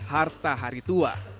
harta hari tua